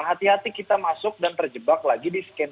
hati hati kita masuk dan terjebak lagi di scan